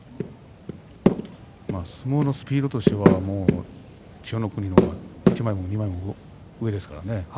相撲のスピードとしては千代の国の方が１枚も２枚も上ですからね。